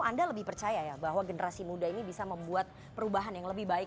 anda lebih percaya ya bahwa generasi muda ini bisa membuat perubahan yang lebih baik